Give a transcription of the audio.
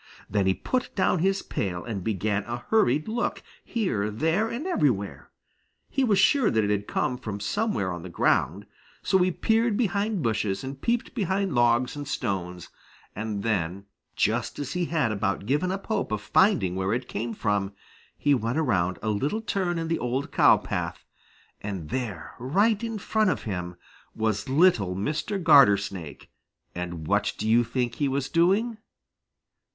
Then he put down his pail and began a hurried look here, there, and everywhere. He was sure that it had come from somewhere on the ground, so he peered behind bushes and peeped behind logs and stones, and then just as he had about given up hope of finding where it came from, he went around a little turn in the old cow path, and there right in front of him was little Mr. Gartersnake, and what do you think he was doing?